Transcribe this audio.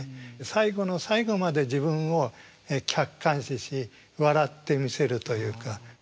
最後の最後まで自分を客観視し笑ってみせるというか。